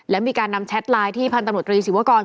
แล้วมีการนำแชทไลน์ที่พันธนุษย์ตรีสิวากร